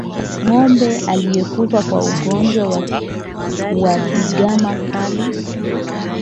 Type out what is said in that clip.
Ngombe aliyekufa kwa ugonjwa wa ndigana kali